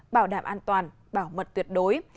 bảo đảm an toàn bảo mật tuyệt đối